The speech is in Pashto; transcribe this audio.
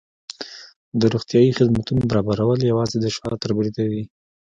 د روغتیايي خدمتونو برابرول یوازې د شعار تر بریده دي.